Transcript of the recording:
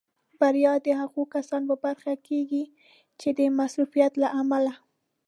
بریا د هغو کسانو په برخه کېږي چې د مصروفیت له امله.